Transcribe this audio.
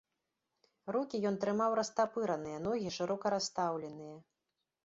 Рукі ён трымаў растапыраныя, ногі шырока расстаўленыя.